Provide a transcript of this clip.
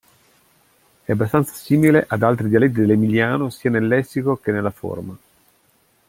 È abbastanza simile ad altri dialetti dell'emiliano sia nel lessico che nella forma.